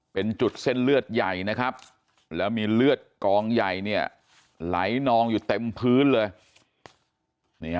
เป็นจุดเส้นเลือดใหญ่นะครับแล้วมีเลือดกองใหญ่เนี่ยไหลนองอยู่เต็มพื้นเลย